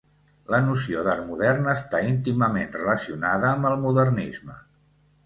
La noció d'art modern està íntimament relacionada amb el modernisme.